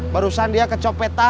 barusan dia kecopetan